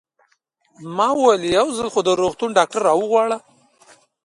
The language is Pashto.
ما وویل: یو ځل خو د روغتون ډاکټر را وغواړه.